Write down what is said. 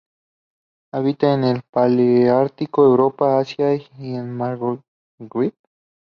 Habita en el paleártico: Europa, Asia y el Magreb.